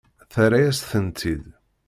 Terra-yas-tent-id.